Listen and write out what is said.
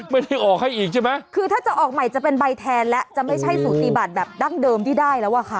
ไม่ได้ออกให้อีกใช่ไหมคือถ้าจะออกใหม่จะเป็นใบแทนแล้วจะไม่ใช่สูติบัตรแบบดั้งเดิมที่ได้แล้วอ่ะค่ะ